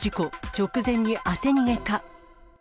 直前に当て逃げか。